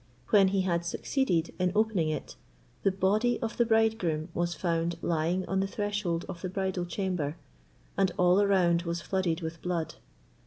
When he had succeeded in opening it, the body of the bridegroom was found lying on the threshold of the bridal chamber, and all around was flooded with blood.